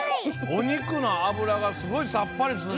おにくのあぶらがすごいさっぱりすんの。